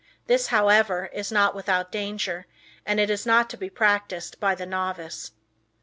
This, however, is not without danger, and is not to be practiced by the novice.